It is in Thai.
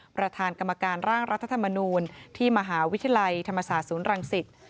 ประธานกรรมการร่างรัฐธรรมนูลที่มหาวิทยาลัยธรรมศาสตร์ศูนย์รังสิต